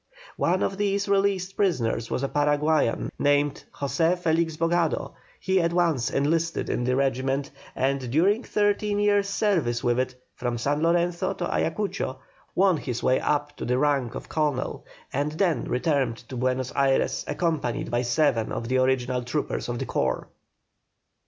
One of these released prisoners was a Paraguayan named José Felix Bogado; he at once enlisted in the regiment, and during thirteen years' service with it, from San Lorenzo to Ayacucho, won his way up to the rank of Colonel, and then returned to Buenos Ayres, accompanied by seven of the original troopers of the corps.